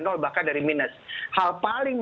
nol bahkan dari minus hal paling